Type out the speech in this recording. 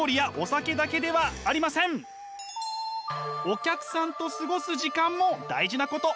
お客さんと過ごす時間も大事なこと。